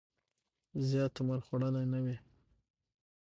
زیات عمر خوړلی نه وي.